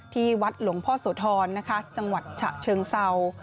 ที่วัดหลวงพ่อโสธรนะคะจังหวัดฉะเชิงเศร้า